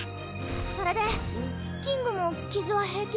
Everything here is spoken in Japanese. それでキングも傷は平気？